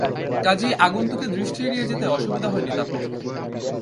কাজেই আগন্তুকের দৃষ্টি এড়িয়ে যেতে অসুবিধা হয়নি তাঁর পক্ষে।